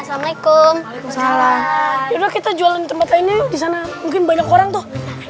ya udah aku pulang ya assalamualaikum salam kita jualan tempat ini disana mungkin banyak orang tuh